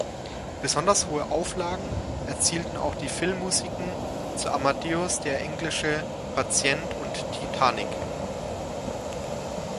Besonders hohe Auflagen erzielten auch die Filmmusiken zu "Amadeus", "Der englische Patient" und "Titanic".